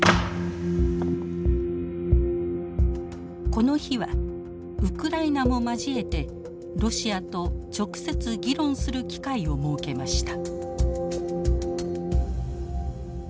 この日はウクライナも交えてロシアと直接議論する機会を設けました。